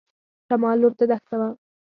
شمال لور ته دښته وه.